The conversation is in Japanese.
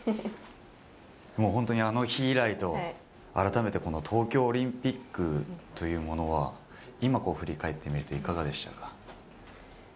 もう本当にあの日以来と、改めて、この東京オリンピックというものは、今こう振り返ってみると、いかがでしたか。